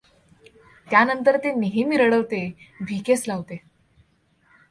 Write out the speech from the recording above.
त्यानंतर ते नेहमी रडविते; भिकेस लावते.